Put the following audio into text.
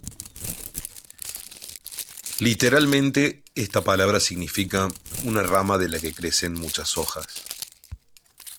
Literalmente, esta palabra significa "una rama de la que crecen muchas hojas.